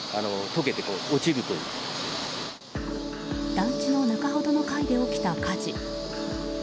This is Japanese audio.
団地の中ほどの階で起きた火事。